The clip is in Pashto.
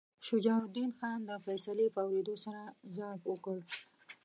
شجاع الدین خان د فیصلې په اورېدو سره ضعف وکړ.